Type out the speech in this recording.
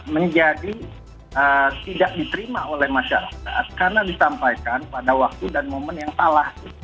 menjadi tidak diterima oleh masyarakat karena disampaikan pada waktu dan momen yang salah